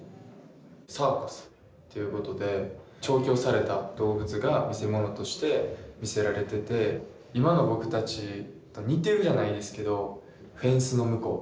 サーカスっていうことで調教された動物が見せ物として見せられてて今の僕たちと似てるじゃないですけどフェンスの向こう。